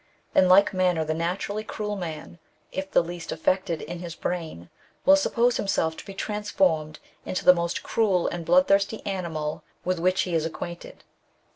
In like manner, the naturally cruel man, if the least affected in his brain, will suppose himself to be transformed into the most cruel and bloodthirsty animal with which he is acquainted.